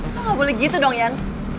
lo gak boleh gitu dong yan